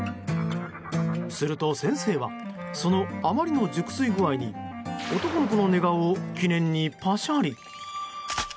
すると先生はその、あまりの熟睡具合に男の子の寝顔を記念にパシャリ。